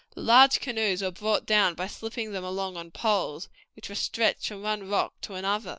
The large canoes were brought down by slipping them along on poles, which were stretched from one rock to another.